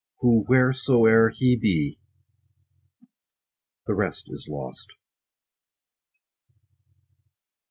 Who, wheresoe'er he be —The rest is lost.